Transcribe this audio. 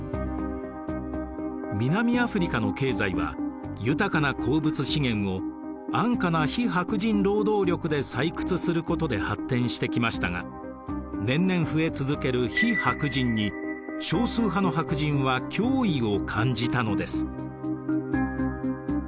南アフリカの経済は豊かな鉱物資源を安価な非白人労働力で採掘することで発展してきましたが年々増え続ける非白人に少数派の白人は脅威を感じたのです。